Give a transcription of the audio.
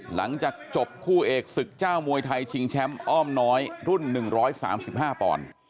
หลังจากจบคู่เอกศึกเจ้ามวยไทยชิงแชมป์อ้อมน้อยรุ่น๑๓๕ปอนด์